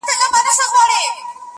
مه راته وايه چي د کار خبري ډي ښې دي،